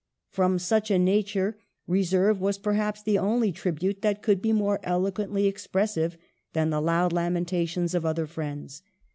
From such a nature reserve was perhaps the only tribute that could be more elo quently expressive than the loud lamentations of other friends.